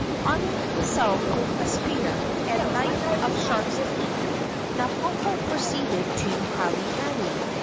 Arming himself with a spear and knife of sharks' teeth, Napopo proceeded to Halemanu.